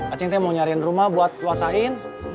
aceh yang mau nyariin rumah buat wasain